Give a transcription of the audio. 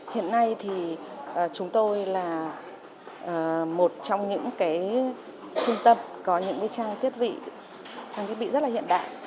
hiện nay thì chúng tôi là một trong những trung tâm có những trang thiết bị trang thiết bị rất là hiện đại